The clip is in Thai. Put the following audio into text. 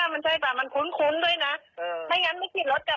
เนี่ยแผงของไอพัฒน์นะ